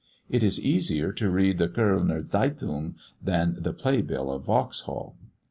It is easier to read the Kölner Zeitung than the play bill of Vauxhall.